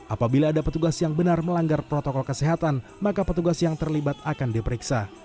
apabila ada petugas yang benar melanggar protokol kesehatan maka petugas yang terlibat akan diperiksa